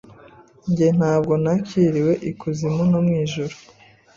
Njye ntabwo nakiriwe ikuzimu no mwijuru